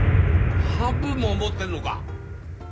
半分も思ってるのか？